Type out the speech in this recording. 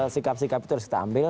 sikap sikap itu harus kita ambil